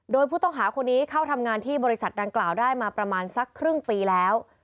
โดยผู้ต้องหาคนนี้เข้าทำงานที่บริษัทดังกล่าวได้มาประมาณสักครึ่งปีแล้ว